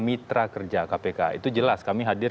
mitra kerja kpk itu jelas kami hadir